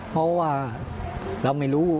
เพราะว่าเราไม่รู้